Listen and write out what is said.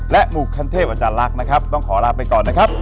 หมู่คันเทพอาจารย์ลักษณ์นะครับต้องขอลาไปก่อนนะครับ